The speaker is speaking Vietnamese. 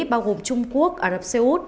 bao gồm trung quốc ả rập xê út